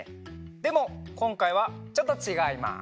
でもこんかいはちょっとちがいます。